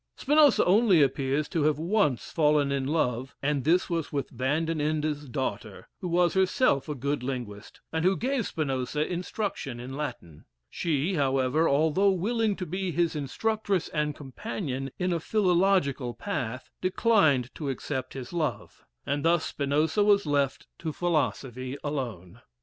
Spinoza only appears to have once fallen in love, and this was with Van den Ende's daughter, who was herself a good linguist, and who gave Spinoza instruction in Latin. She, however, although willing to be his instructress and companion in a philogical path, declined to accept his love, and thus Spinoza was left to philosophy alone.